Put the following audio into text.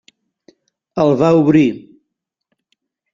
El va obrir.